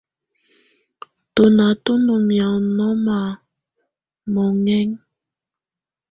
Tɔ́ná tú ndɔ́ mɛ̀áŋɔ́ nɔ́ma mɔŋɛ́ŋa.